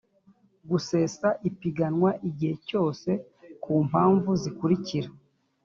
gusesa ipiganwa igihe cyose ku mpamvu zikurikira